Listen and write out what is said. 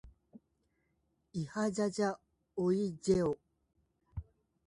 いはじゃじゃおいじぇお。